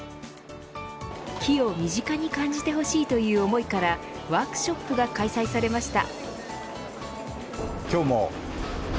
木を身近に感じてほしいという思いからワークショップが開催されました。